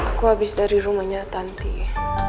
aku habis dari rumahnya tantie